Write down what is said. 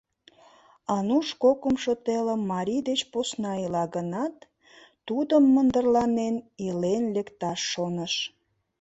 Ануш кокымшо телым марий деч посна ила гынат, тудым мындырланен илен лекташ шоныш.